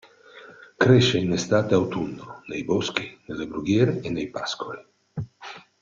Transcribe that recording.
Cresce in estate-autunno, nei boschi, nelle brughiere e nei pascoli.